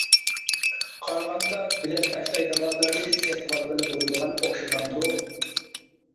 قارىغاندا بىلەت تاشلايدىغانلارنى سېتىۋالغىلى بولىدىغان ئوخشىمامدۇ.